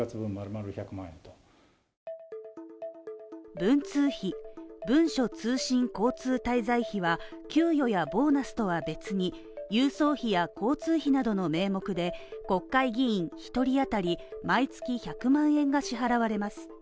文通費、文書通信交通滞在費は給与やボーナスとは別に郵送費や交通費などの名目で、国会議員１人当たり毎月１００万円が支払われます。